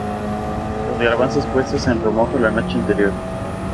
Los garbanzos puestos en remojo la noche anterior.